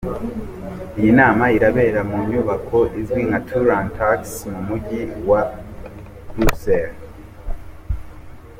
Iyi nama irabera mu nyubako izwi nka Tour & Taxis mu Mujyi wa Bruxelles.